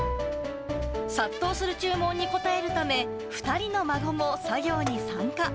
殺到する注文に応えるため、２人の孫も作業に参加。